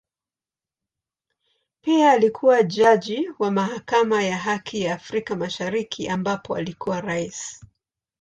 Pia alikua jaji wa Mahakama ya Haki ya Afrika Mashariki ambapo alikuwa Rais.